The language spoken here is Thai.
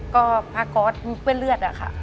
ก็พาก๊อตยุกเป้อเลือดอะค่ะ